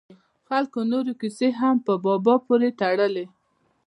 خلکو نورې کیسې هم په بابا پورې تړل.